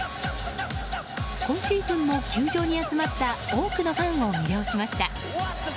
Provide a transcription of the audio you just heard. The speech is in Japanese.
今シーズンも、球場に集まった多くのファンを魅了しました。